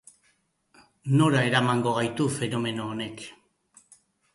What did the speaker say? Nora eramango gaitu fenomeno honek?